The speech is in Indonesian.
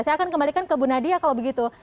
saya akan kembalikan ke bu nadia kalau begitu